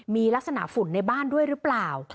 มีลักษณะฝุ่นในบ้านด้วยหรือเปล่า